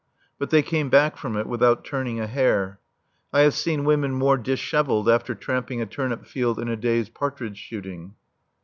But they came back from it without turning a hair. I have seen women more dishevelled after tramping a turnip field in a day's partridge shooting.